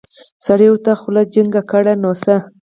سړي ورته خوله جينګه کړه نو څه.